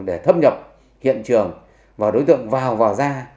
để thâm nhập hiện trường và đối tượng vào vào ra